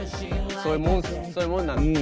そういうもんっす。